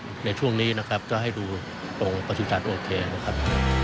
เนื้อสัตว์ในช่วงนี้นะครับก็ให้ดูตรงประสุทธิ์ศัตริย์โอเคนะครับ